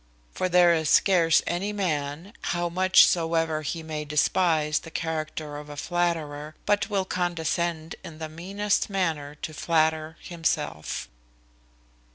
For there is scarce any man, how much soever he may despise the character of a flatterer, but will condescend in the meanest manner to flatter himself.